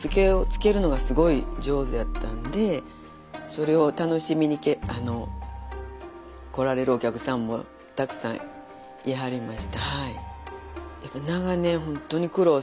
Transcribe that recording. それを楽しみに来られるお客さんもたくさんいはりました。